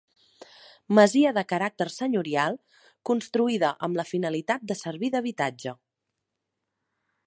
Masia de caràcter senyorial construïda amb la finalitat de servir d'habitatge.